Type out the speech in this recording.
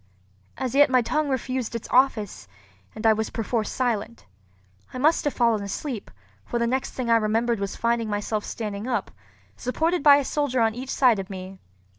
As yet my tongue refused its office, and I was perforce silent. I must have fallen asleep; for the next thing I remembered was finding myself standing up, supported by a soldier on each side of me.